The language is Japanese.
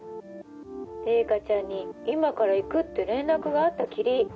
零花ちゃんに「今から行く」って連絡があったきり。